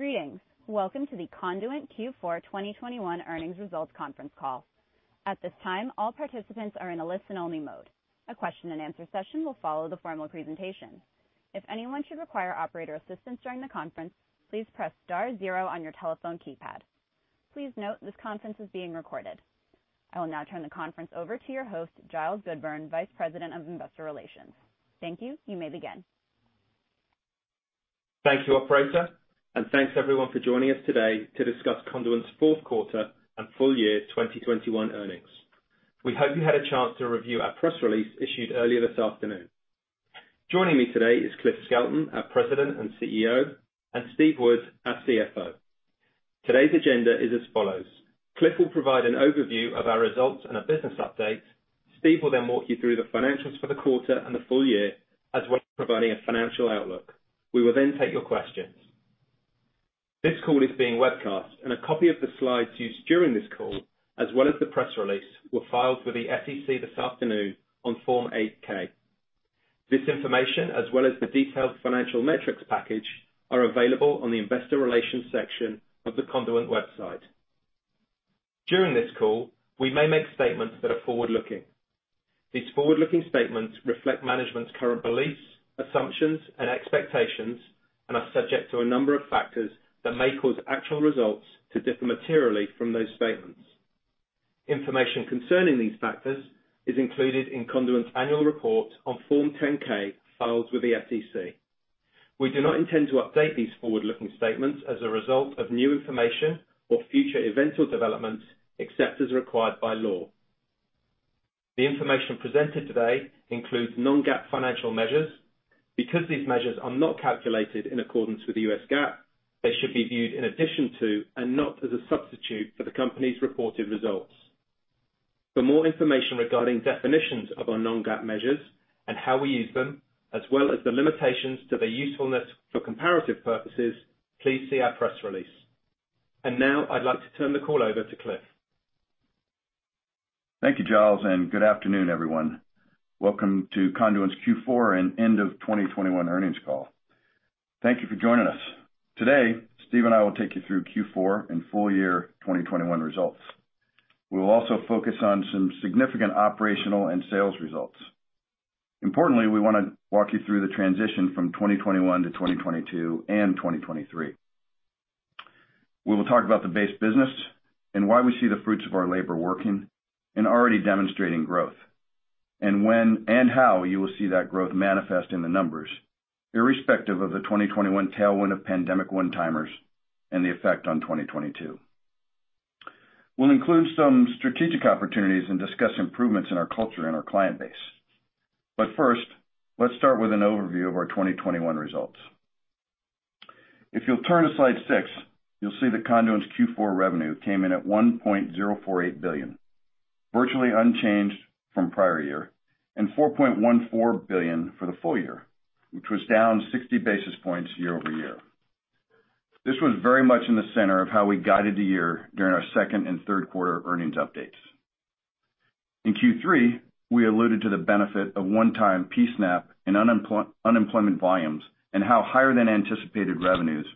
Greetings. Welcome to the Conduent Q4 2021 earnings results conference call. At this time, all participants are in a listen-only mode. A question-and-answer session will follow the formal presentation. If anyone should require operator assistance during the conference, please press star zero on your telephone keypad. Please note this conference is being recorded. I will now turn the conference over to your host, Giles Goodburn, Vice President of Investor Relations. Thank you. You may begin. Thank you, operator, and thanks everyone for joining us today to discuss Conduent's fourth quarter and full year 2021 earnings. We hope you had a chance to review our press release issued earlier this afternoon. Joining me today is Cliff Skelton, our President and CEO, and Steve Wood, our CFO. Today's agenda is as follows, Cliff will provide an overview of our results and a business update. Steve will then walk you through the financials for the quarter and the full year, as well as providing a financial outlook. We will then take your questions. This call is being webcast and a copy of the slides used during this call, as well as the press release, were filed with the SEC this afternoon on Form 8-K. This information, as well as the detailed financial metrics package, are available on the investor relations section of the Conduent website. During this call, we may make statements that are forward-looking. These forward-looking statements reflect management's current beliefs, assumptions, and expectations and are subject to a number of factors that may cause actual results to differ materially from those statements. Information concerning these factors is included in Conduent's annual report on Form 10-K filed with the SEC. We do not intend to update these forward-looking statements as a result of new information or future events or developments, except as required by law. The information presented today includes non-GAAP financial measures. Because these measures are not calculated in accordance with U.S. GAAP, they should be viewed in addition to and not as a substitute for the company's reported results. For more information regarding definitions of our non-GAAP measures and how we use them, as well as the limitations to their usefulness for comparative purposes, please see our press release. Now I'd like to turn the call over to Cliff. Thank you, Giles, and good afternoon, everyone. Welcome to Conduent's Q4 and end of 2021 earnings call. Thank you for joining us. Today, Steve and I will take you through Q4 and full year 2021 results. We will also focus on some significant operational and sales results. Importantly, we wanna walk you through the transition from 2021-2022 and 2023. We will talk about the base business and why we see the fruits of our labor working and already demonstrating growth, and when and how you will see that growth manifest in the numbers, irrespective of the 2021 tailwind of pandemic one-timers and the effect on 2022. We'll include some strategic opportunities and discuss improvements in our culture and our client base. First, let's start with an overview of our 2021 results. If you'll turn to slide six, you'll see that Conduent's Q4 revenue came in at $1.048 billion, virtually unchanged from prior year, and $4.14 billion for the full year, which was down 60 basis points year-over-year. This was very much in the center of how we guided the year during our second and third quarter earnings updates. In Q3, we alluded to the benefit of one-time P-SNAP and unemployment volumes, and how higher than anticipated revenues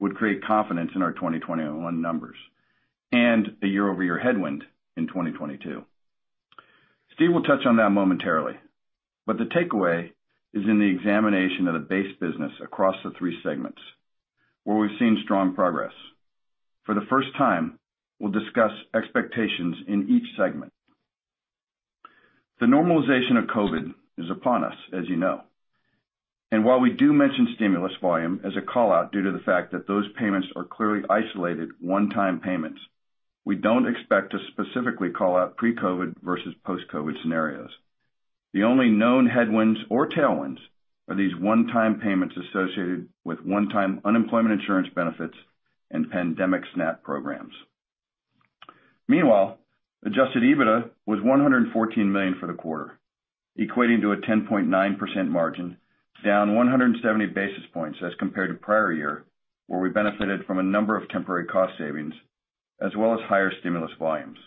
would create confidence in our 2021 numbers, and a year-over-year headwind in 2022. Steve will touch on that momentarily, but the takeaway is in the examination of the base business across the three segments where we've seen strong progress. For the first time, we'll discuss expectations in each segment. The normalization of COVID is upon us, as you know. While we do mention stimulus volume as a call-out due to the fact that those payments are clearly isolated one-time payments, we don't expect to specifically call out pre-COVID versus post-COVID scenarios. The only known headwinds or tailwinds are these one-time payments associated with one-time unemployment insurance benefits and Pandemic SNAP programs. Meanwhile, Adjusted EBITDA was $114 million for the quarter, equating to a 10.9% margin, down 170 basis points as compared to prior year, where we benefited from a number of temporary cost savings as well as higher stimulus volumes.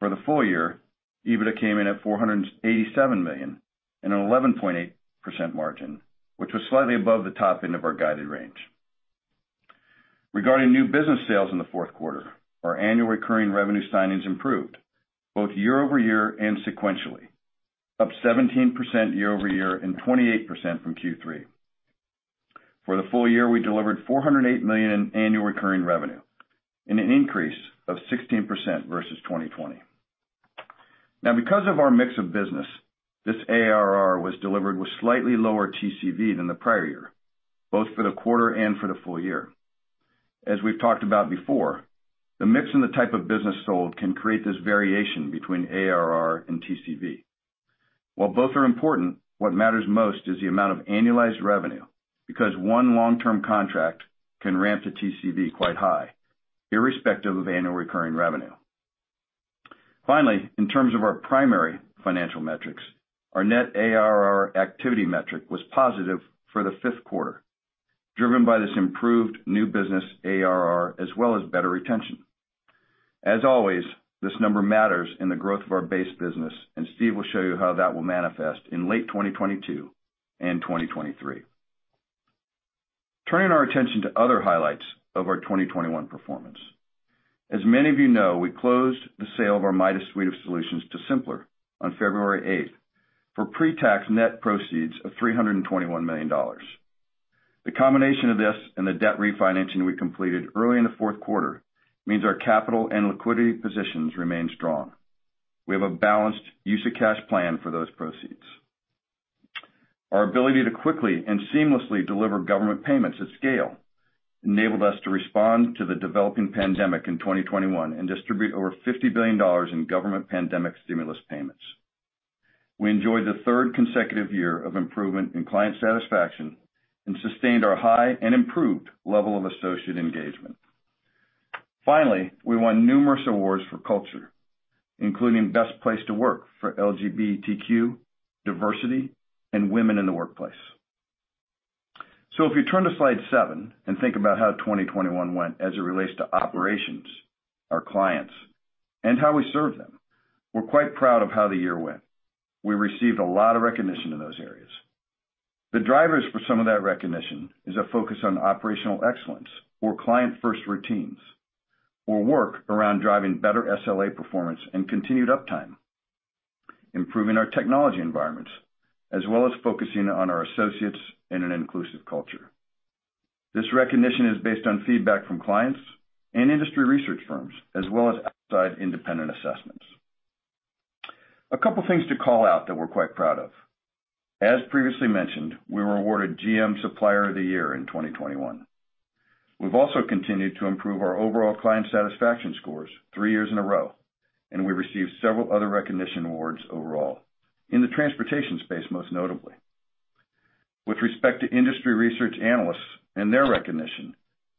For the full year, EBITDA came in at $487 million and an 11.8% margin, which was slightly above the top end of our guided range. Regarding new business sales in the fourth quarter, our annual recurring revenue signings improved both year-over-year and sequentially, up 17% year-over-year and 28% from Q3. For the full year, we delivered $408 million in annual recurring revenue and an increase of 16% versus 2020. Now, because of our mix of business, this ARR was delivered with slightly lower TCV than the prior year, both for the quarter and for the full year. As we've talked about before, the mix and the type of business sold can create this variation between ARR and TCV. While both are important, what matters most is the amount of annualized revenue, because one long-term contract can ramp the TCV quite high, irrespective of annual recurring revenue. Finally, in terms of our primary financial metrics, our net ARR activity metric was positive for the fifth quarter, driven by this improved new business ARR as well as better retention. As always, this number matters in the growth of our base business, and Steve will show you how that will manifest in late 2022 and 2023. Turning our attention to other highlights of our 2021 performance. As many of you know, we closed the sale of our Midas suite of solutions to symplr on February 8th for pre-tax net proceeds of $321 million. The combination of this and the debt refinancing we completed early in the fourth quarter means our capital and liquidity positions remain strong. We have a balanced use of cash plan for those proceeds. Our ability to quickly and seamlessly deliver government payments at scale enabled us to respond to the developing pandemic in 2021 and distribute over $50 billion in government pandemic stimulus payments. We enjoyed the third consecutive year of improvement in client satisfaction and sustained our high and improved level of associate engagement. Finally, we won numerous awards for culture, including Best Place to Work for LGBTQ, diversity, and women in the workplace. If you turn to slide seven and think about how 2021 went as it relates to operations, our clients, and how we serve them, we're quite proud of how the year went. We received a lot of recognition in those areas. The drivers for some of that recognition is a focus on operational excellence or client-first routines, or work around driving better SLA performance and continued uptime, improving our technology environments, as well as focusing on our associates in an inclusive culture. This recognition is based on feedback from clients and industry research firms, as well as outside independent assessments. A couple things to call out that we're quite proud of. As previously mentioned, we were awarded GM Supplier of the Year in 2021. We've also continued to improve our overall client satisfaction scores three years in a row, and we received several other recognition awards overall, in the transportation space, most notably. With respect to industry research analysts and their recognition,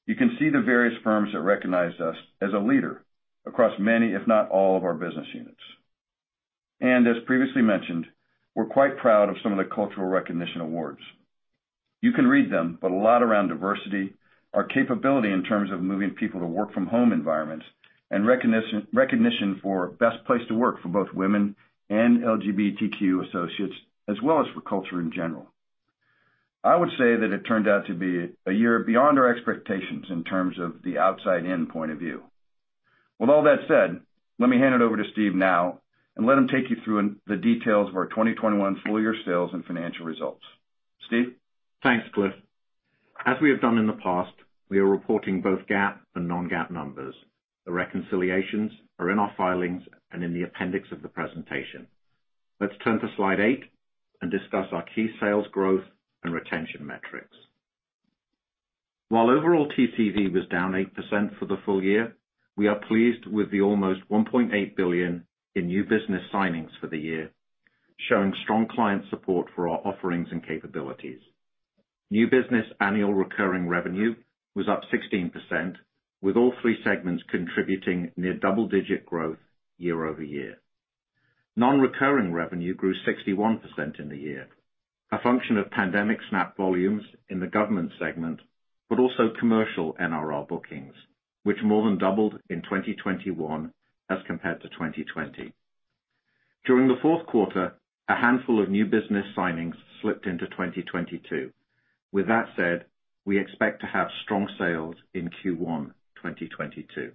you can see the various firms that recognized us as a leader across many, if not all, of our business units. As previously mentioned, we're quite proud of some of the cultural recognition awards. You can read them, but a lot around diversity, our capability in terms of moving people to work from home environments, and recognition for best place to work for both women and LGBTQ associates, as well as for culture in general. I would say that it turned out to be a year beyond our expectations in terms of the outside-in point of view. With all that said, let me hand it over to Steve now and let him take you through the details of our 2021 full year sales and financial results. Steve? Thanks, Cliff. As we have done in the past, we are reporting both GAAP and non-GAAP numbers. The reconciliations are in our filings and in the appendix of the presentation. Let's turn to slide eight and discuss our key sales growth and retention metrics. While overall TCV was down 8% for the full year, we are pleased with the almost $1.8 billion in new business signings for the year, showing strong client support for our offerings and capabilities. New business annual recurring revenue was up 16%, with all three segments contributing near double-digit growth year-over-year. Non-recurring revenue grew 61% in the year, a function of Pandemic SNAP volumes in the government segment, but also commercial NRR bookings, which more than doubled in 2021 as compared to 2020. During the fourth quarter, a handful of new business signings slipped into 2022. With that said, we expect to have strong sales in Q1 2022.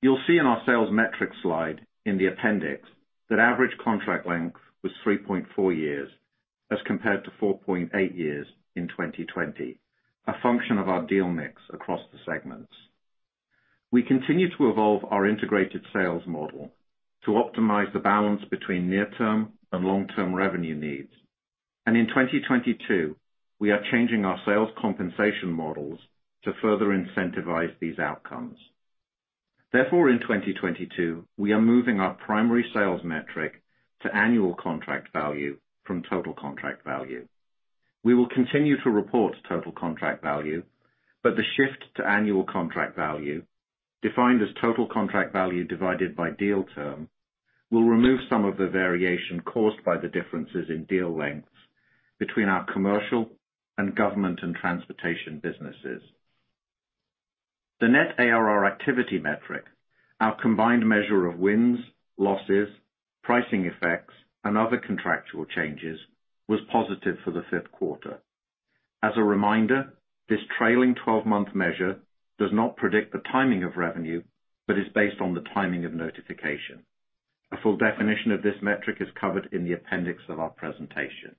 You'll see in our sales metrics slide in the appendix that average contract length was 3.4 years as compared to 4.8 years in 2020, a function of our deal mix across the segments. We continue to evolve our integrated sales model to optimize the balance between near-term and long-term revenue needs. In 2022, we are changing our sales compensation models to further incentivize these outcomes. Therefore, in 2022, we are moving our primary sales metric to annual contract value from total contract value. We will continue to report total contract value, but the shift to annual contract value, defined as total contract value divided by deal term, will remove some of the variation caused by the differences in deal lengths between our commercial and government and transportation businesses. The net ARR activity metric, our combined measure of wins, losses, pricing effects, and other contractual changes, was positive for the fifth quarter. As a reminder, this trailing twelve-month measure does not predict the timing of revenue, but is based on the timing of notification. A full definition of this metric is covered in the appendix of our presentation.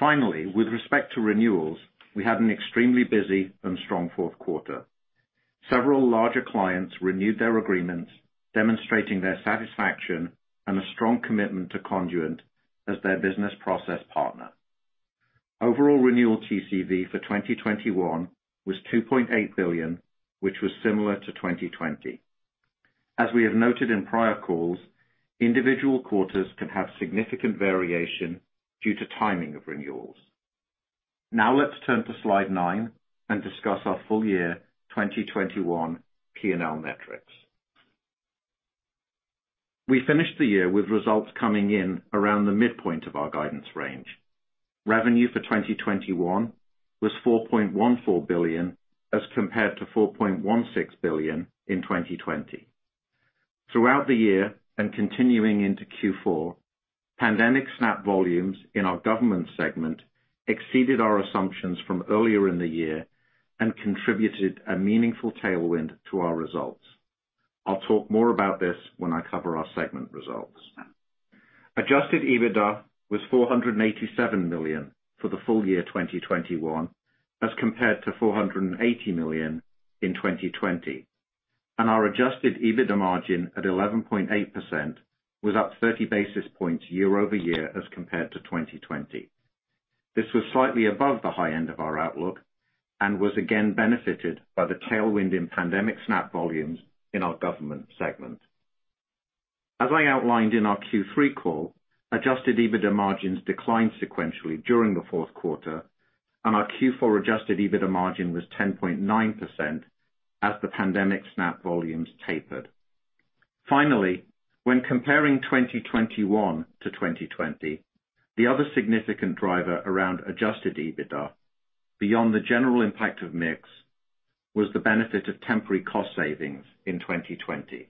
Finally, with respect to renewals, we had an extremely busy and strong fourth quarter. Several larger clients renewed their agreements, demonstrating their satisfaction and a strong commitment to Conduent as their business process partner. Overall renewal TCV for 2021 was $2.8 billion, which was similar to 2020. As we have noted in prior calls, individual quarters can have significant variation due to timing of renewals. Now let's turn to slide nine and discuss our full year 2021 P&L metrics. We finished the year with results coming in around the midpoint of our guidance range. Revenue for 2021 was $4.14 billion as compared to $4.16 billion in 2020. Throughout the year and continuing into Q4, Pandemic SNAP volumes in our government segment exceeded our assumptions from earlier in the year and contributed a meaningful tailwind to our results. I'll talk more about this when I cover our segment results. Adjusted EBITDA was $487 million for the full year 2021, as compared to $480 million in 2020. Our adjusted EBITDA margin at 11.8% was up 30 basis points year-over-year as compared to 2020. This was slightly above the high end of our outlook and was again benefited by the tailwind in Pandemic SNAP volumes in our Government segment. As I outlined in our Q3 call, Adjusted EBITDA margins declined sequentially during the fourth quarter and our Q4 Adjusted EBITDA margin was 10.9% as the Pandemic SNAP volumes tapered. When comparing 2021-2020, the other significant driver around Adjusted EBITDA beyond the general impact of mix was the benefit of temporary cost savings in 2020.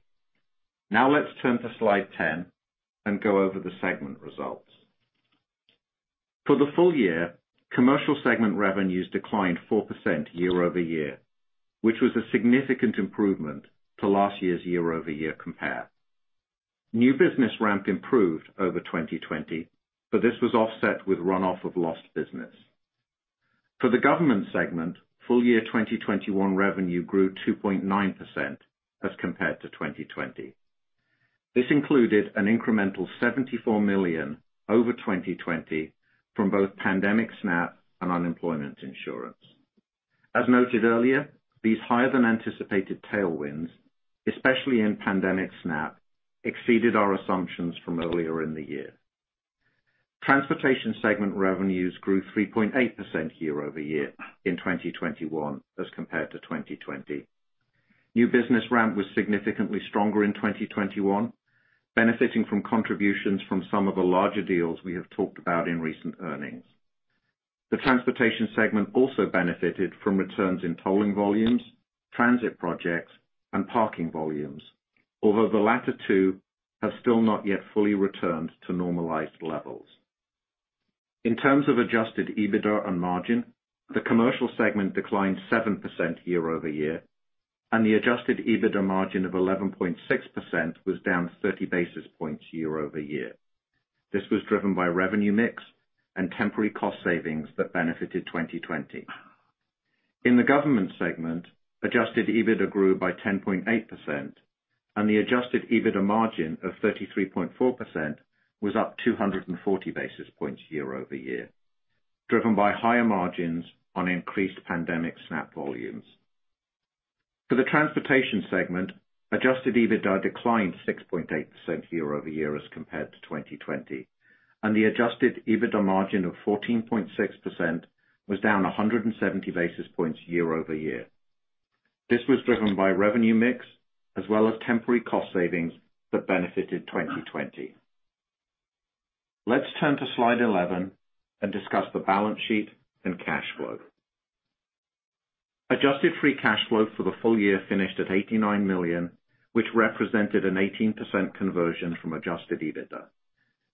Now let's turn to slide 10 and go over the segment results. For the full year, Commercial segment revenues declined 4% year-over-year, which was a significant improvement to last year's year-over-year compare. New business ramp improved over 2020, but this was offset with runoff of lost business. For the Government segment, full year 2021 revenue grew 2.9% as compared to 2020. This included an incremental $74 million over 2020 from both Pandemic SNAP and unemployment insurance. As noted earlier, these higher than anticipated tailwinds, especially in Pandemic SNAP, exceeded our assumptions from earlier in the year. Transportation segment revenues grew 3.8% year-over-year in 2021 as compared to 2020. New business ramp was significantly stronger in 2021, benefiting from contributions from some of the larger deals we have talked about in recent earnings. The Transportation segment also benefited from returns in tolling volumes, transit projects, and parking volumes, although the latter two have still not yet fully returned to normalized levels. In terms of Adjusted EBITDA and margin, the commercial segment declined 7% year-over-year, and the Adjusted EBITDA margin of 11.6% was down 30 basis points year-over-year. This was driven by revenue mix and temporary cost savings that benefited 2020. In the government segment, Adjusted EBITDA grew by 10.8%, and the Adjusted EBITDA margin of 33.4% was up 240 basis points year-over-year, driven by higher margins on increased Pandemic SNAP volumes. For the transportation segment, Adjusted EBITDA declined 6.8% year-over-year as compared to 2020, and the Adjusted EBITDA margin of 14.6% was down 170 basis points year-over-year. This was driven by revenue mix as well as temporary cost savings that benefited 2020. Let's turn to slide 11 and discuss the balance sheet and cash flow. Adjusted Free Cash Flow for the full year finished at $89 million, which represented an 18% conversion from Adjusted EBITDA.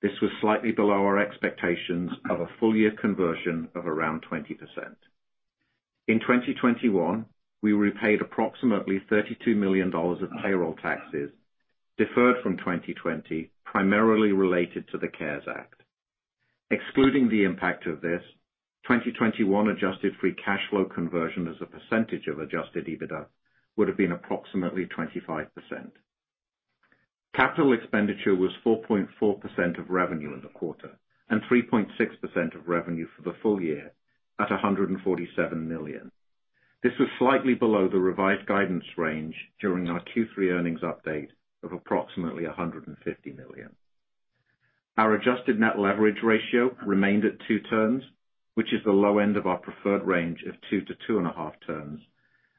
This was slightly below our expectations of a full year conversion of around 20%. In 2021, we repaid approximately $32 million of payroll taxes deferred from 2020, primarily related to the CARES Act. Excluding the impact of this, 2021 Adjusted Free Cash Flow conversion as a percentage of Adjusted EBITDA would have been approximately 25%. Capital expenditure was 4.4% of revenue in the quarter and 3.6% of revenue for the full year at $147 million. This was slightly below the revised guidance range during our Q3 earnings update of approximately $150 million. Our adjusted net leverage ratio remained at two turns, which is the low end of our preferred range of 2-2.5 turns,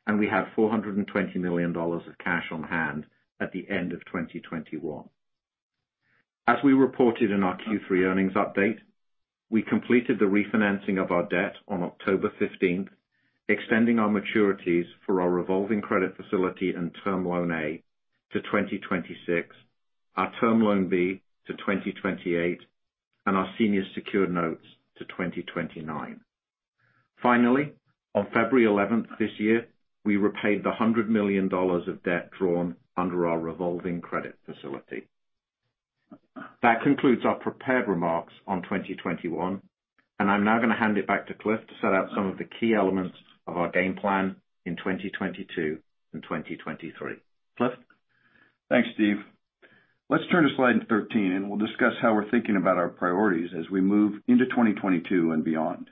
and we have $420 million of cash on hand at the end of 2021. As we reported in our Q3 earnings update, we completed the refinancing of our debt on October 15th, extending our maturities for our revolving credit facility and Term Loan A to 2026, our Term Loan B to 2028, and our senior secured notes to 2029. Finally, on February 11 this year, we repaid the $100 million of debt drawn under our revolving credit facility. That concludes our prepared remarks on 2021, and I'm now gonna hand it back to Cliff to set out some of the key elements of our game plan in 2022 and 2023. Cliff? Thanks, Steve. Let's turn to slide 13 and we'll discuss how we're thinking about our priorities as we move into 2022 and beyond.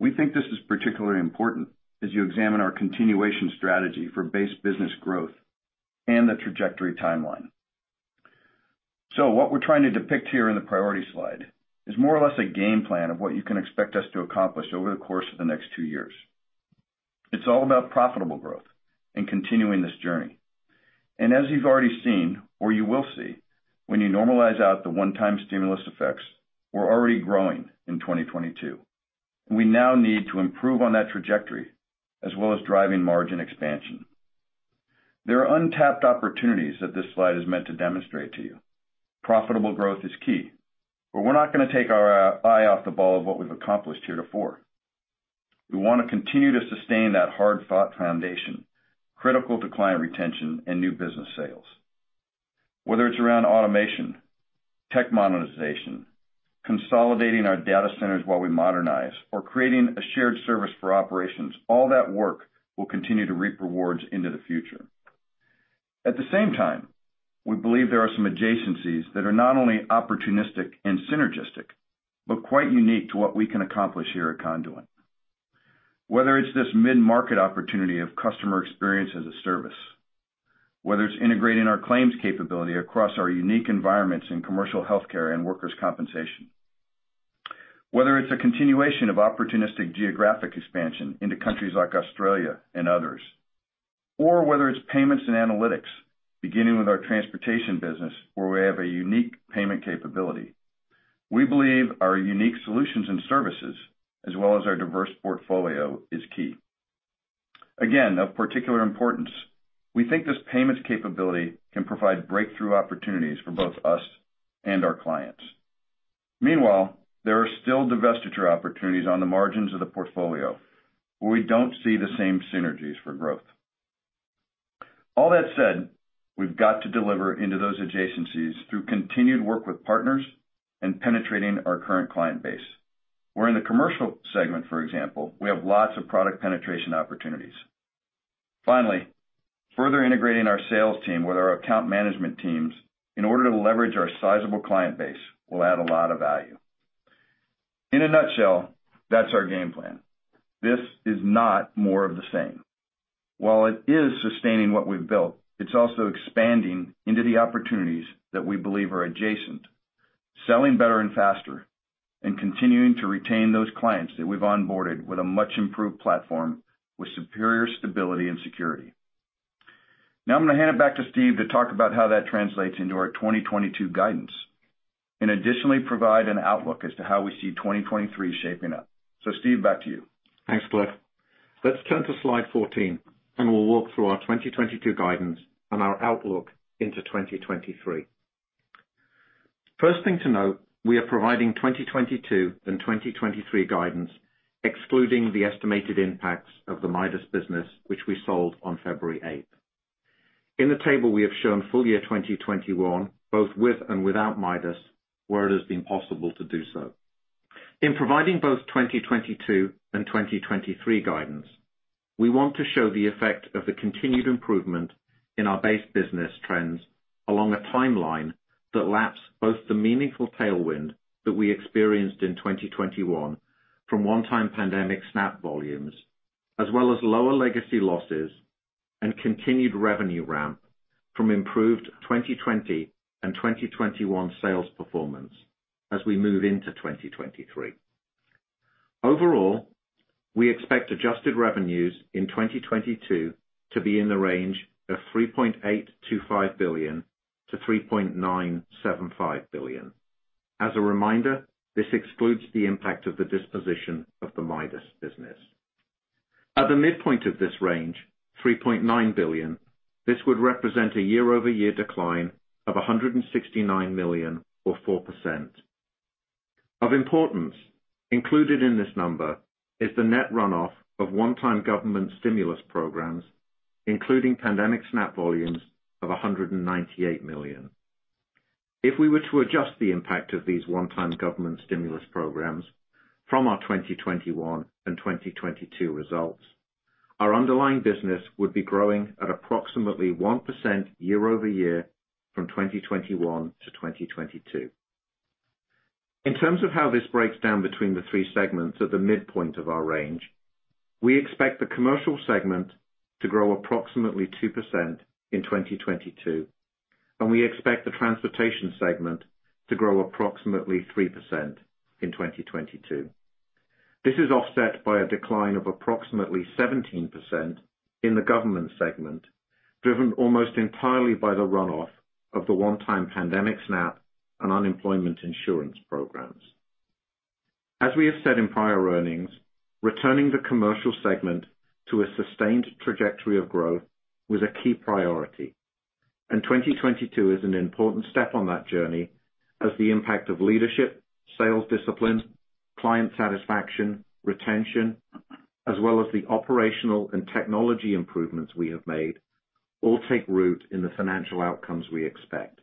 We think this is particularly important as you examine our continuation strategy for base business growth and the trajectory timeline. What we're trying to depict here in the priority slide is more or less a game plan of what you can expect us to accomplish over the course of the next two years. It's all about profitable growth and continuing this journey. As you've already seen or you will see, when you normalize out the one-time stimulus effects, we're already growing in 2022. We now need to improve on that trajectory as well as driving margin expansion. There are untapped opportunities that this slide is meant to demonstrate to you. Profitable growth is key, but we're not gonna take our eye off the ball of what we've accomplished heretofore. We wanna continue to sustain that hard-fought foundation, critical to client retention and new business sales. Whether it's around automation, tech monetization, consolidating our data centers while we modernize or creating a shared service for operations, all that work will continue to reap rewards into the future. At the same time, we believe there are some adjacencies that are not only opportunistic and synergistic, but quite unique to what we can accomplish here at Conduent. Whether it's this mid-market opportunity of Customer Experience as a Service, whether it's integrating our claims capability across our unique environments in commercial healthcare and workers' compensation, whether it's a continuation of opportunistic geographic expansion into countries like Australia and others, or whether it's payments and analytics, beginning with our transportation business where we have a unique payment capability. We believe our unique solutions and services as well as our diverse portfolio is key. Again, of particular importance, we think this payments capability can provide breakthrough opportunities for both us and our clients. Meanwhile, there are still divestiture opportunities on the margins of the portfolio where we don't see the same synergies for growth. All that said, we've got to deliver into those adjacencies through continued work with partners and penetrating our current client base, where in the commercial segment, for example, we have lots of product penetration opportunities. Finally, further integrating our sales team with our account management teams in order to leverage our sizable client base will add a lot of value. In a nutshell, that's our game plan. This is not more of the same. While it is sustaining what we've built, it's also expanding into the opportunities that we believe are adjacent, selling better and faster, and continuing to retain those clients that we've onboarded with a much-improved platform with superior stability and security. Now I'm gonna hand it back to Steve to talk about how that translates into our 2022 guidance, and additionally provide an outlook as to how we see 2023 shaping up. Steve, back to you. Thanks, Cliff. Let's turn to slide 14, and we'll walk through our 2022 guidance and our outlook into 2023. First thing to note, we are providing 2022 and 2023 guidance excluding the estimated impacts of the Midas business, which we sold on February 8th. In the table, we have shown full year 2021, both with and without Midas, where it has been possible to do so. In providing both 2022 and 2023 guidance, we want to show the effect of the continued improvement in our base business trends along a timeline that laps both the meaningful tailwind that we experienced in 2021 from one-time pandemic SNAP volumes, as well as lower legacy losses and continued revenue ramp from improved 2020 and 2021 sales performance as we move into 2023. Overall, we expect adjusted revenues in 2022 to be in the range of $3.825 billion-$3.975 billion. As a reminder, this excludes the impact of the disposition of the Midas business. At the midpoint of this range, $3.9 billion, this would represent a year-over-year decline of $169 million or 4%. Of importance, included in this number is the net runoff of one-time government stimulus programs, including Pandemic SNAP volumes of $198 million. If we were to adjust the impact of these one-time government stimulus programs from our 2021 and 2022 results, our underlying business would be growing at approximately 1% year-over-year from 2021-2022. In terms of how this breaks down between the three segments at the midpoint of our range, we expect the Commercial segment to grow approximately 2% in 2022, and we expect the Transportation segment to grow approximately 3% in 2022. This is offset by a decline of approximately 17% in the Government segment, driven almost entirely by the runoff of the one-time Pandemic SNAP and unemployment insurance programs. As we have said in prior earnings, returning the Commercial segment to a sustained trajectory of growth was a key priority, and 2022 is an important step on that journey as the impact of leadership, sales discipline, client satisfaction, retention, as well as the operational and technology improvements we have made all take root in the financial outcomes we expect.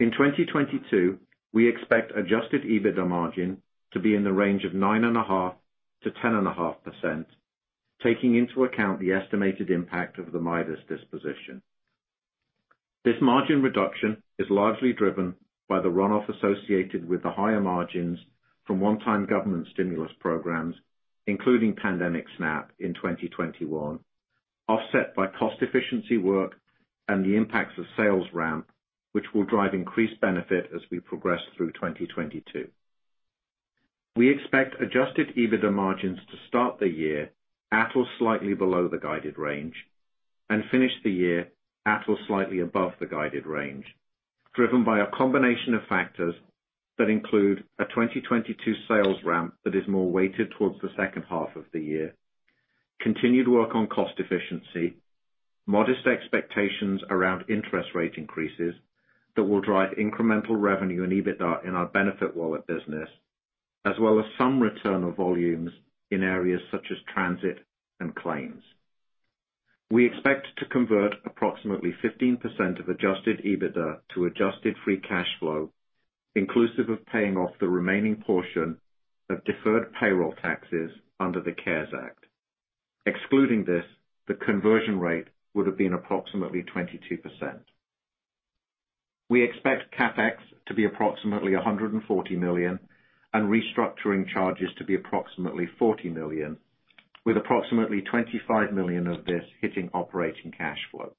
In 2022, we expect Adjusted EBITDA margin to be in the range of 9.5%-10.5%, taking into account the estimated impact of the Midas disposition. This margin reduction is largely driven by the runoff associated with the higher margins from one-time government stimulus programs, including Pandemic SNAP in 2021. Offset by cost efficiency work and the impacts of sales ramp, which will drive increased benefit as we progress through 2022. We expect Adjusted EBITDA margins to start the year at or slightly below the guided range and finish the year at or slightly above the guided range, driven by a combination of factors that include a 2022 sales ramp that is more weighted towards the second half of the year, continued work on cost efficiency, modest expectations around interest rate increases that will drive incremental revenue and EBITDA in our BenefitWallet business, as well as some return of volumes in areas such as transit and claims. We expect to convert approximately 15% of Adjusted EBITDA to Adjusted Free Cash Flow, inclusive of paying off the remaining portion of deferred payroll taxes under the CARES Act. Excluding this, the conversion rate would have been approximately 22%. We expect CapEx to be approximately $140 million and restructuring charges to be approximately $40 million, with approximately $25 million of this hitting operating cash flow.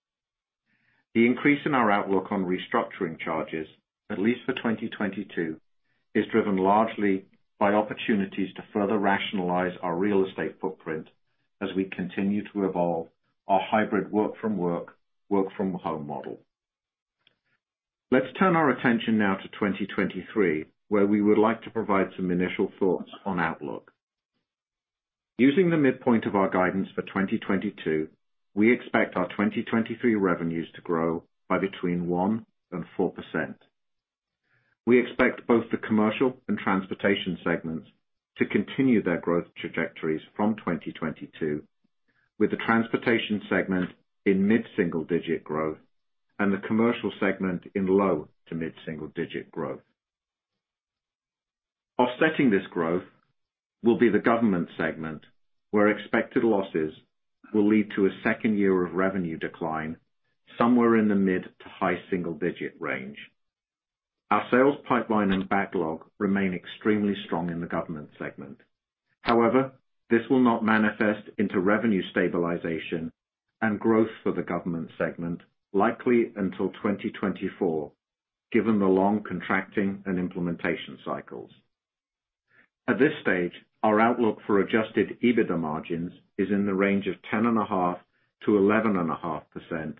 The increase in our outlook on restructuring charges, at least for 2022, is driven largely by opportunities to further rationalize our real estate footprint as we continue to evolve our hybrid work-from-home model. Let's turn our attention now to 2023, where we would like to provide some initial thoughts on outlook. Using the midpoint of our guidance for 2022, we expect our 2023 revenues to grow by between 1% and 4%. We expect both the commercial and transportation segments to continue their growth trajectories from 2022, with the transportation segment in mid-single-digit growth and the commercial segment in low- to mid-single-digit growth. Offsetting this growth will be the government segment, where expected losses will lead to a second year of revenue decline somewhere in the mid- to high-single-digit range. Our sales pipeline and backlog remain extremely strong in the government segment. However, this will not manifest into revenue stabilization and growth for the government segment likely until 2024, given the long contracting and implementation cycles. At this stage, our outlook for Adjusted EBITDA margins is in the range of 10.5%-11.5%,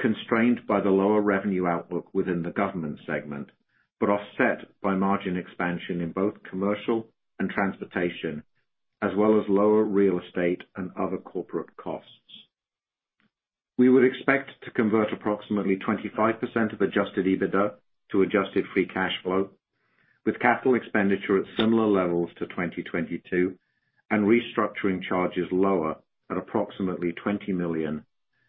constrained by the lower revenue outlook within the government segment, but offset by margin expansion in both commercial and transportation, as well as lower real estate and other corporate costs. We would expect to convert approximately 25% of Adjusted EBITDA to Adjusted Free Cash Flow, with capital expenditure at similar levels to 2022 and restructuring charges lower at approximately $20 million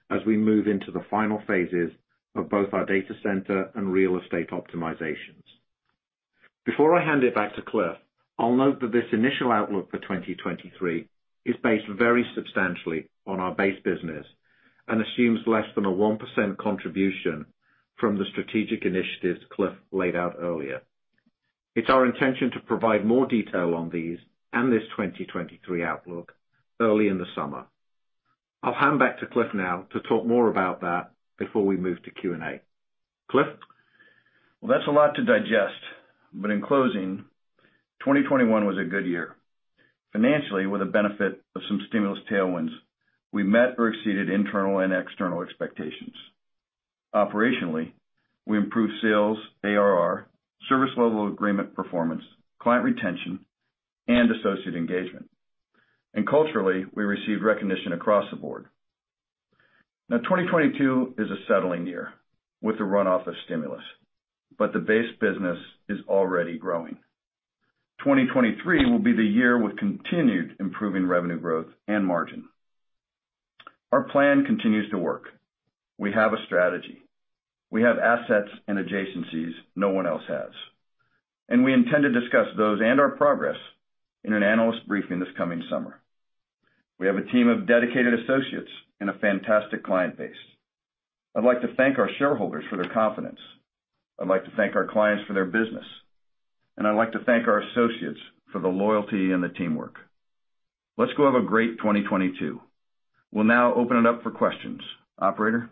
as we move into the final phases of both our data center and real estate optimizations. Before I hand it back to Cliff, I'll note that this initial outlook for 2023 is based very substantially on our base business and assumes less than a 1% contribution from the strategic initiatives Cliff laid out earlier. It's our intention to provide more detail on these and this 2023 outlook early in the summer. I'll hand back to Cliff now to talk more about that before we move to Q&A. Cliff? Well, that's a lot to digest. In closing, 2021 was a good year. Financially, with the benefit of some stimulus tailwinds, we met or exceeded internal and external expectations. Operationally, we improved sales, ARR, service level agreement performance, client retention, and associate engagement. Culturally, we received recognition across the board. Now, 2022 is a settling year with the runoff of stimulus, but the base business is already growing. 2023 will be the year with continued improving revenue growth and margin. Our plan continues to work. We have a strategy. We have assets and adjacencies no one else has. We intend to discuss those and our progress in an analyst briefing this coming summer. We have a team of dedicated associates and a fantastic client base. I'd like to thank our shareholders for their confidence. I'd like to thank our clients for their business, and I'd like to thank our associates for the loyalty and the teamwork. Let's go have a great 2022. We'll now open it up for questions. Operator?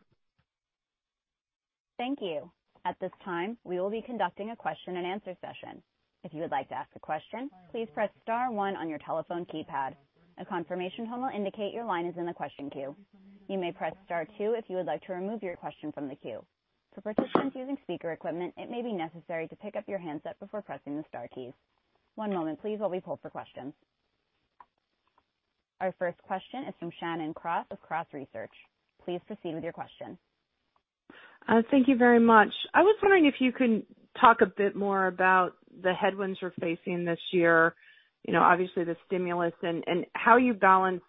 Thank you. At this time, we will be conducting a question-and-answer session. If you would like to ask a question, please press star one on your telephone keypad. A confirmation tone will indicate your line is in the question queue. You may press star two if you would like to remove your question from the queue. For participants using speaker equipment, it may be necessary to pick up your handset before pressing the star keys. One moment please while we pull for questions. Our first question is from Shannon Cross of Cross Research. Please proceed with your question. Thank you very much. I was wondering if you can talk a bit more about the headwinds you're facing this year, you know, obviously the stimulus and how you balance,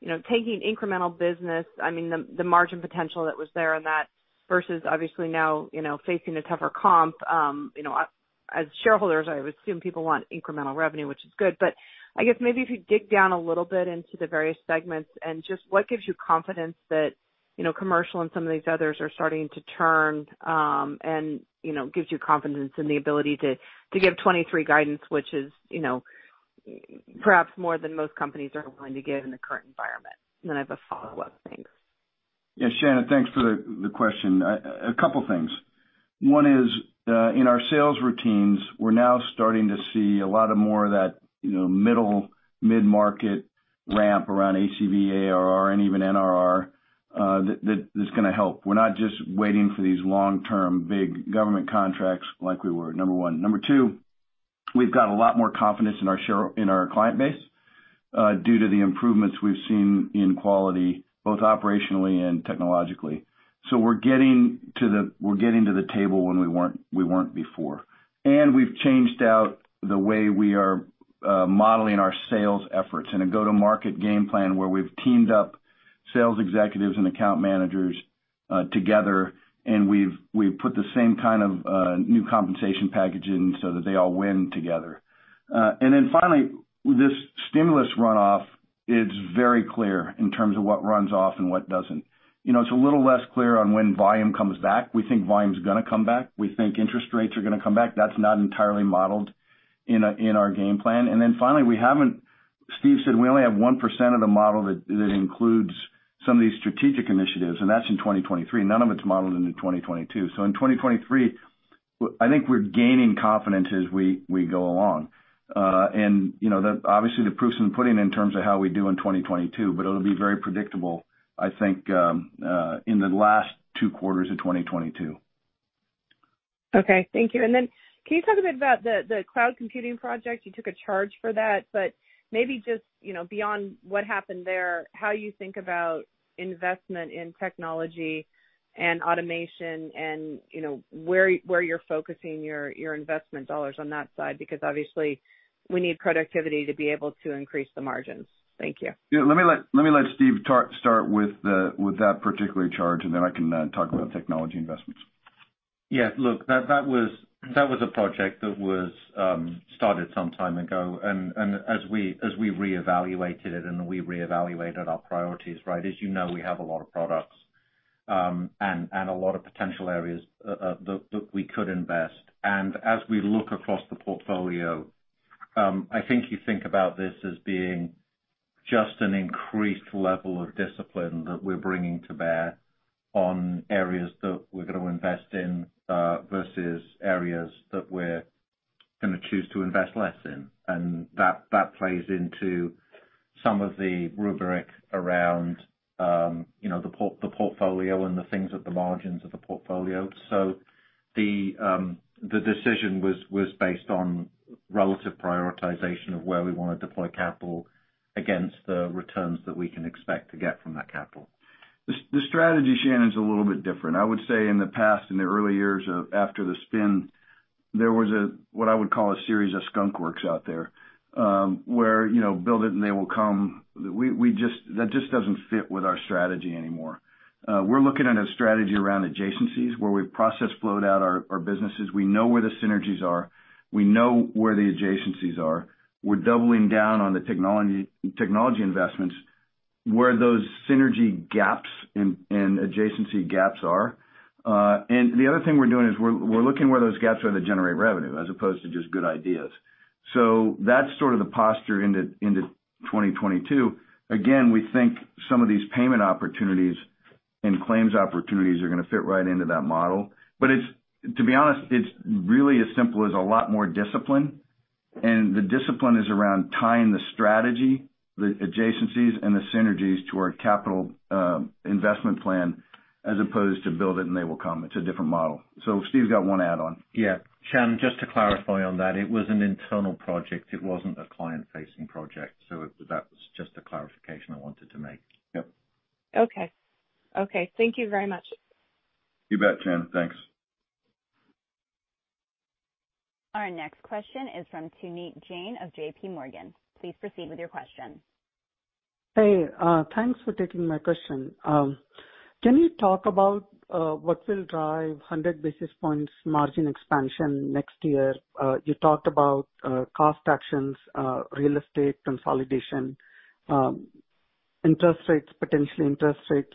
you know, taking incremental business, I mean the margin potential that was there in that versus obviously now, you know, facing a tougher comp. You know, as shareholders, I would assume people want incremental revenue, which is good. I guess maybe if you dig down a little bit into the various segments and just what gives you confidence that, you know, commercial and some of these others are starting to turn, and you know, gives you confidence in the ability to give 2023 guidance, which is perhaps more than most companies are willing to give in the current environment. Then I have a follow-up. Thanks. Yes, Shannon, thanks for the question. A couple things. One is, in our sales routines, we're now starting to see a lot more of that, you know, mid-market ramp around ACV, ARR, and even NRR, that is gonna help. We're not just waiting for these long-term big government contracts like we were, number one. Number two, we've got a lot more confidence in our client base due to the improvements we've seen in quality, both operationally and technologically. We're getting to the table when we weren't before. We've changed the way we are modeling our sales efforts in a go-to-market game plan where we've teamed up sales executives and account managers together, and we've put the same kind of new compensation package in so that they all win together. Then finally, this stimulus runoff is very clear in terms of what runs off and what doesn't. You know, it's a little less clear on when volume comes back. We think volume's gonna come back. We think interest rates are gonna come back. That's not entirely modeled in our game plan. Then finally, we haven't. Steve said we only have 1% of the model that includes some of these strategic initiatives, and that's in 2023. None of it's modeled into 2022. In 2023, I think we're gaining confidence as we go along. You know, obviously, the proof is in the pudding in terms of how we do in 2022, but it'll be very predictable, I think, in the last two quarters of 2022. Okay. Thank you. Then can you talk a bit about the cloud computing project? You took a charge for that, but maybe just, you know, beyond what happened there, how you think about investment in technology and automation and, you know, where you're focusing your investment dollars on that side, because obviously we need productivity to be able to increase the margins. Thank you. Yeah. Let me let Steve start with that particular charge, and then I can talk about technology investments. Yeah. Look, that was a project that was started some time ago. As we reevaluated it and we reevaluated our priorities, right? As you know, we have a lot of products and a lot of potential areas that we could invest. As we look across the portfolio, I think you think about this as being just an increased level of discipline that we're bringing to bear on areas that we're gonna invest in versus areas that we're gonna choose to invest less in. That plays into some of the rubric around you know the portfolio and the things at the margins of the portfolio. The decision was based on relative prioritization of where we wanna deploy capital against the returns that we can expect to get from that capital. The strategy, Shannon, is a little bit different. I would say in the past, in the early years after the spin, there was what I would call a series of skunk works out there, where you know, build it and they will come. That just doesn't fit with our strategy anymore. We're looking at a strategy around adjacencies, where we proactively roll out our businesses. We know where the synergies are. We know where the adjacencies are. We're doubling down on the technology investments, where those synergy gaps and adjacency gaps are. The other thing we're doing is we're looking where those gaps are to generate revenue as opposed to just good ideas. That's sort of the posture into 2022. Again, we think some of these payment opportunities and claims opportunities are gonna fit right into that model. It's, to be honest, it's really as simple as a lot more discipline. The discipline is around tying the strategy, the adjacencies, and the synergies to our capital, investment plan, as opposed to build it and they will come. It's a different model. Steve's got one add on. Yeah. Shannon, just to clarify on that, it was an internal project. It wasn't a client-facing project, so that was just a clarification I wanted to make. Yep. Okay, thank you very much. You bet, Shannon. Thanks. Our next question is from Puneet Jain of J.P. Morgan. Please proceed with your question. Hey, thanks for taking my question. Can you talk about what will drive 100 basis points margin expansion next year? You talked about cost actions, real estate consolidation, interest rates, potentially interest rates,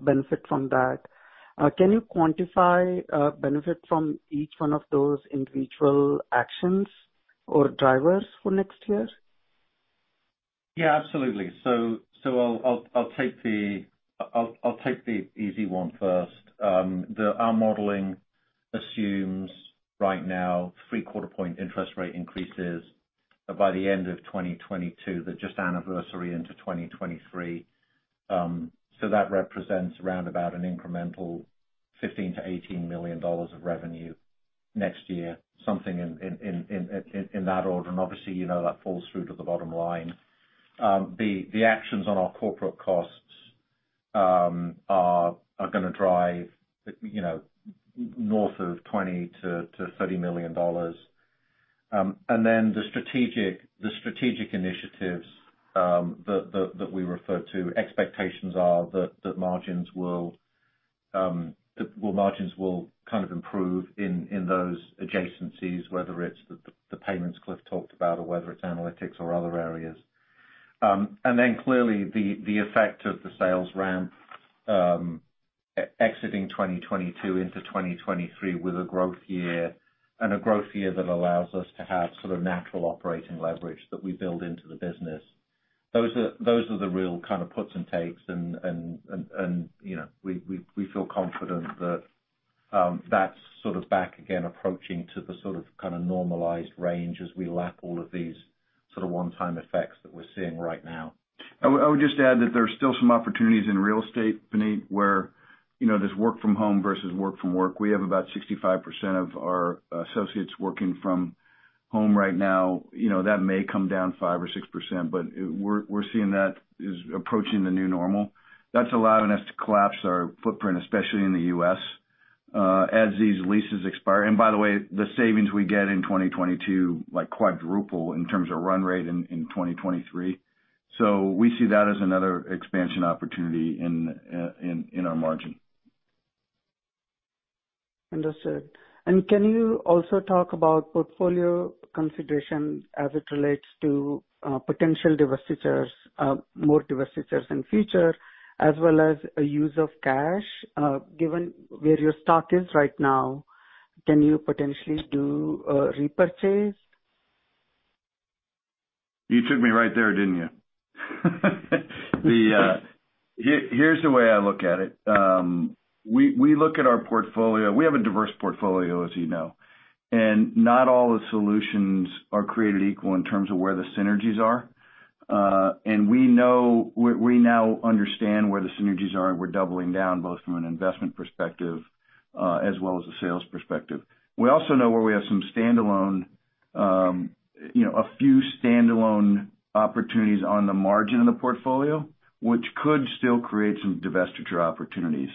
benefit from that. Can you quantify benefit from each one of those individual actions or drivers for next year? Yeah, absolutely. I'll take the easy one first. Our modeling assumes right now three quarter-point interest rate increases by the end of 2022, the just anniversary into 2023. That represents roundabout an incremental $15 million-$18 million of revenue next year, something in that order. Obviously, you know, that falls through to the bottom line. The actions on our corporate costs are gonna drive, you know, north of $20 million-$30 million. The strategic initiatives that we refer to, expectations are that margins will kind of improve in those adjacencies, whether it's the payments Cliff talked about or whether it's analytics or other areas. Clearly the effect of the sales ramp, exiting 2022 into 2023 with a growth year that allows us to have sort of natural operating leverage that we build into the business. Those are the real kind of puts and takes, you know, we feel confident that that's sort of back again approaching the sort of kinda normalized range as we lap all of these sort of one-time effects that we're seeing right now. I would just add that there are still some opportunities in real estate, Puneet, where, you know, there's work from home versus work from work. We have about 65% of our associates working from home right now. You know, that may come down 5% or 6%, but we're seeing that is approaching the new normal. That's allowing us to collapse our footprint, especially in the U.S., as these leases expire. By the way, the savings we get in 2022 like quadruple in terms of run rate in 2023. We see that as another expansion opportunity in our margin. Understood. Can you also talk about portfolio consideration as it relates to potential divestitures, more divestitures in future, as well as a use of cash? Given where your stock is right now, can you potentially do a repurchase? You took me right there, didn't you? Here's the way I look at it. We look at our portfolio. We have a diverse portfolio, as you know, and not all the solutions are created equal in terms of where the synergies are. We now understand where the synergies are, and we're doubling down, both from an investment perspective, as well as a sales perspective. We also know where we have some standalone, you know, a few standalone opportunities on the margin of the portfolio, which could still create some divestiture opportunities.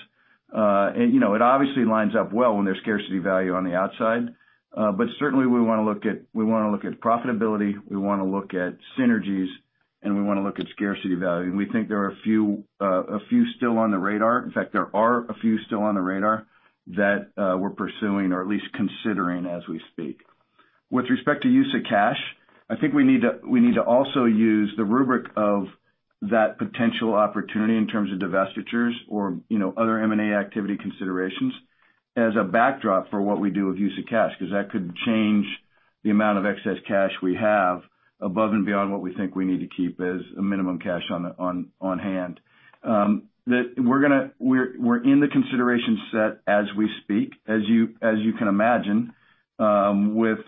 You know, it obviously lines up well when there's scarcity value on the outside. Certainly we wanna look at profitability, we wanna look at synergies, and we wanna look at scarcity value. We think there are a few still on the radar. In fact, there are a few still on the radar that we're pursuing or at least considering as we speak. With respect to use of cash, I think we need to also use the rubric of that potential opportunity in terms of divestitures or, you know, other M&A activity considerations as a backdrop for what we do with use of cash, 'cause that could change the amount of excess cash we have above and beyond what we think we need to keep as a minimum cash on hand. We're gonna We're in the consideration set as we speak, as you can imagine, with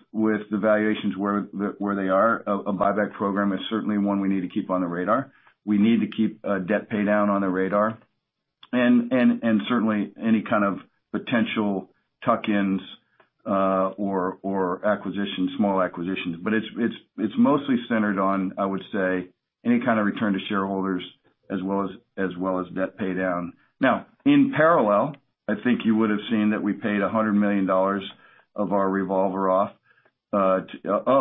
the valuations where they are. A buyback program is certainly one we need to keep on the radar. We need to keep debt paydown on the radar and certainly any kind of potential tuck-ins or acquisitions, small acquisitions. It's mostly centered on, I would say, any kind of return to shareholders as well as debt paydown. In parallel, I think you would've seen that we paid $100 million of our revolver off, so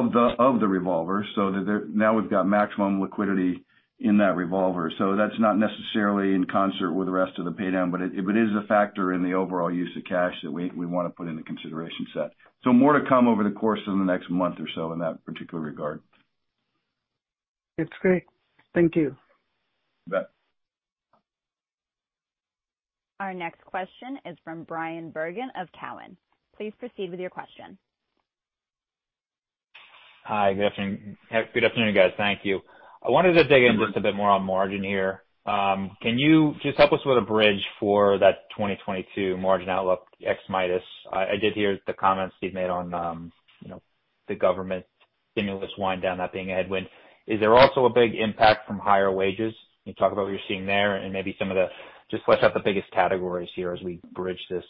that now we've got maximum liquidity in that revolver. That's not necessarily in concert with the rest of the paydown, but it is a factor in the overall use of cash that we wanna put into consideration set. More to come over the course of the next month or so in that particular regard. It's great. Thank you. You bet. Our next question is from Bryan Bergin of Cowen. Please proceed with your question. Hi, good afternoon. Good afternoon, guys. Thank you. I wanted to dig in just a bit more on margin here. Can you just help us with a bridge for that 2022 margin outlook ex Midas? I did hear the comments Steve made on, you know, the government stimulus wind down, that being a headwind. Is there also a big impact from higher wages? Can you talk about what you're seeing there and maybe some of the just what are the biggest categories here as we bridge this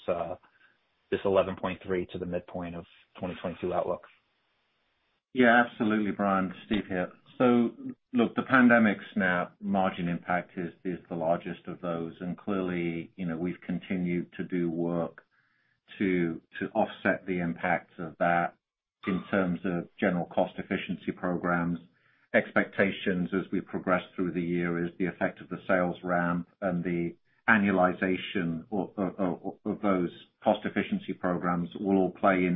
11.3% to the midpoint of 2022 outlook? Yeah, absolutely, Bryan. Steve here. Look, the Pandemic SNAP margin impact is the largest of those. Clearly, you know, we've continued to do work to offset the impact of that in terms of general cost efficiency programs. Expectations as we progress through the year is the effect of the sales ramp and the annualization of those cost efficiency programs will all play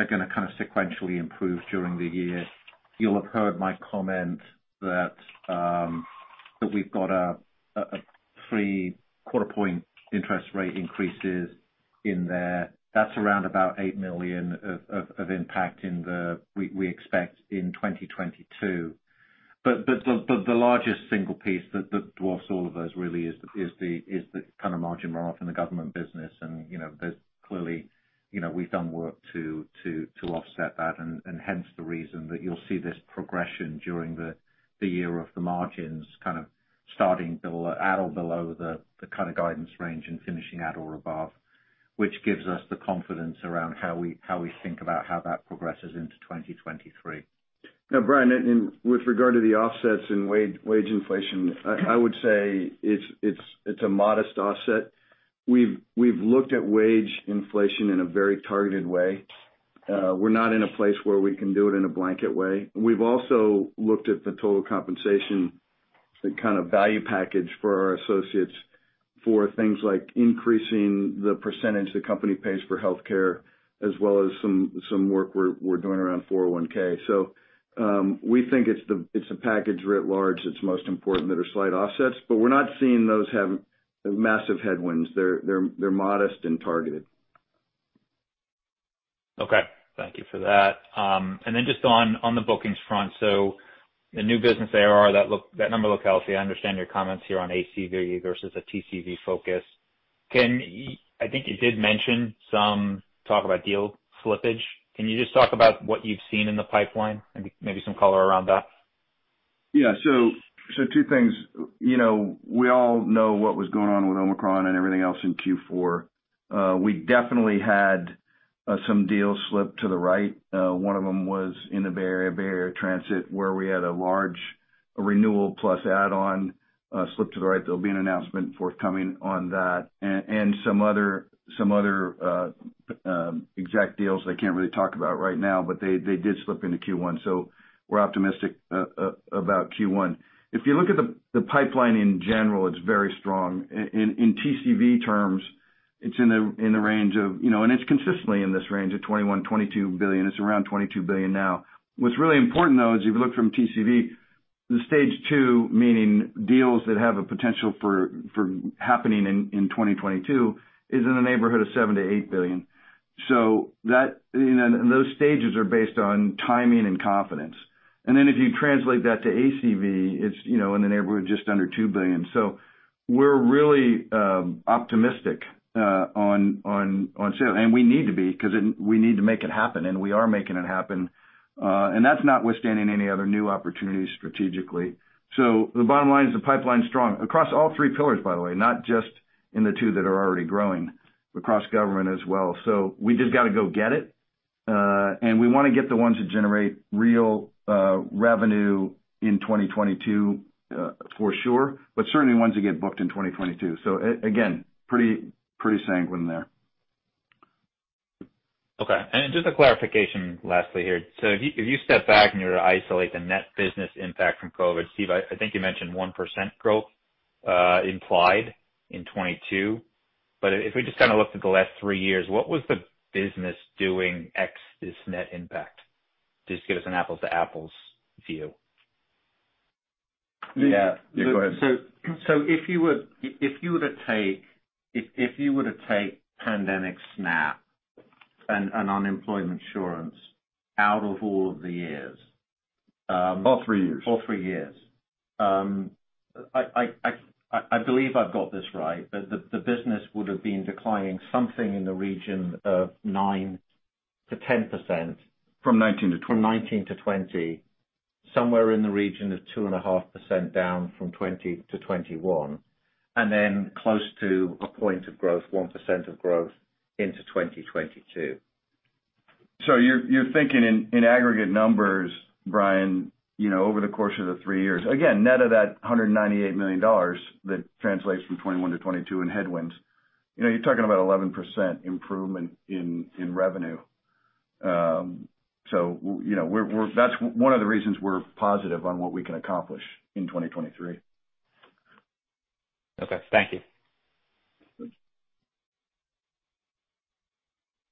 into that rubric of the fact that the margins are gonna kind of sequentially improve during the year. You'll have heard my comment that we've got a three quarter point interest rate increases in there. That's around about $8 million of impact we expect in 2022. The largest single piece that dwarfs all of those really is the kind of margin runoff in the government business. You know, there's clearly, you know, we've done work to offset that, and hence the reason that you'll see this progression during the year of the margins kind of starting at or below the kind of guidance range and finishing at or above, which gives us the confidence around how we think about how that progresses into 2023. Now, Bryan, and with regard to the offsets in wage inflation, I would say it's a modest offset. We've looked at wage inflation in a very targeted way. We're not in a place where we can do it in a blanket way. We've also looked at the total compensation, the kind of value package for our associates, for things like increasing the percentage the company pays for healthcare as well as some work we're doing around 401(k). We think it's a package writ large that's most important that are slight offsets, but we're not seeing those have massive headwinds. They're modest and targeted. Okay. Thank you for that. Then just on the bookings front. The new business ARR, that number look healthy. I understand your comments here on ACV versus a TCV focus. I think you did mention some talk about deal slippage. Can you just talk about what you've seen in the pipeline and maybe some color around that? Yeah. Two things. You know, we all know what was going on with Omicron and everything else in Q4. We definitely had some deals slip to the right. One of them was in the Bay Area Rapid Transit, where we had a large renewal plus add-on slip to the right. There'll be an announcement forthcoming on that. Some other exact deals I can't really talk about right now, but they did slip into Q1, so we're optimistic about Q1. If you look at the pipeline in general, it's very strong. In TCV terms, it's in the range of, you know, and it's consistently in this range of $21-$22 billion. It's around $22 billion now. What's really important, though, is you've looked from TCV, the stage two, meaning deals that have a potential for happening in 2022, is in the neighborhood of $7 billion-$8 billion. That, you know, and those stages are based on timing and confidence. If you translate that to ACV, it's, you know, in the neighborhood of just under $2 billion. We're really optimistic on sales. We need to be 'cause we need to make it happen, and we are making it happen. That's notwithstanding any other new opportunities strategically. The bottom line is the pipeline's strong across all three pillars, by the way, not just in the two that are already growing, but across government as well. We just gotta go get it. we wanna get the ones that generate real revenue in 2022 for sure, but certainly ones that get booked in 2022. Again, pretty sanguine there. Okay. Just a clarification lastly here. If you step back and you isolate the net business impact from COVID, Steve, I think you mentioned 1% growth implied in 2022. If we just kinda look at the last three years, what was the business doing ex this net impact? Just give us an apples to apples view. Yeah. Yeah, go ahead. If you were to take pandemic SNAP and unemployment insurance out of all of the years. All three years. I believe I've got this right, but the business would have been declining something in the region of 9%-10%. From 2019-2020. Somewhere in the region of 2.5% down from 2020-2021, and then close to a point of growth, 1% of growth into 2022. You're thinking in aggregate numbers, Bryan, you know, over the course of the three years, again, net of that $198 million that translates from 2021 to 2022 in headwinds, you know, you're talking about 11% improvement in revenue. You know, that's one of the reasons we're positive on what we can accomplish in 2023. Okay. Thank you. Thanks.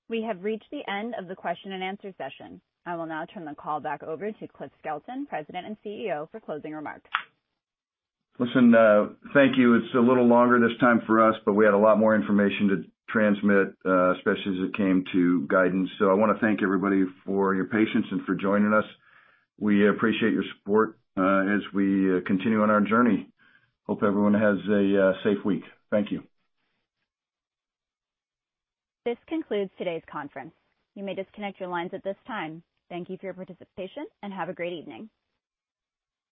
We have reached the end of the question and answer session. I will now turn the call back over to Cliff Skelton, President and CEO, for closing remarks. Listen, thank you. It's a little longer this time for us, but we had a lot more information to transmit, especially as it came to guidance. I wanna thank everybody for your patience and for joining us. We appreciate your support, as we continue on our journey. Hope everyone has a safe week. Thank you. This concludes today's conference. You may disconnect your lines at this time. Thank you for your participation, and have a great evening.